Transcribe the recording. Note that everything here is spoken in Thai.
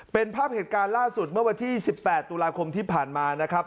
เป็นภาพเหตุการณ์ล่าสุดเมื่อวันที่๑๘ตุลาคมที่ผ่านมานะครับ